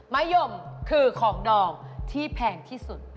มะยมคือของดอกที่แพงที่สุด